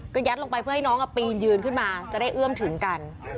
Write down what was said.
ก็ยัดลงไปเพื่อให้น้องปีนยืนขึ้นมาจะได้เอื้อมถึงกัน